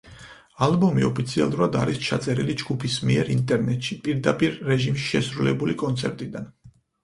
ალბომი ოფიციალურად არის ჩაწერილი ჯგუფის მიერ ინტერნეტში, პირდაპირ რეჟიმში შესრულებული კონცერტიდან.